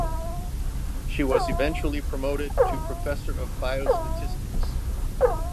She was eventually promoted to Professor of Biostatistics.